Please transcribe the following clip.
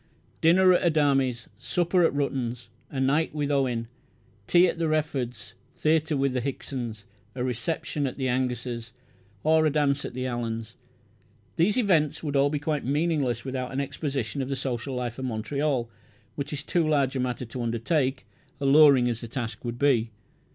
Dinner at the Adami's, supper at Ruttan's, a night with Owen, tea at the Reford's, theatre with the Hickson's, a reception at the Angus's, or a dance at the Allan's, these events would all be quite meaningless without an exposition of the social life of Montreal, which is too large a matter to undertake, alluring as the task would be.